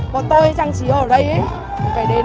còn tôi trang trí ở đây phải đến hai giờ sáng